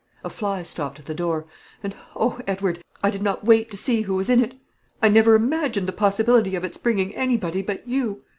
A fly stopped at the door, and oh, Edward, I did not wait to see who was in it, I never imagined the possibility of its bringing anybody but you.